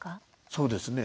そうですね。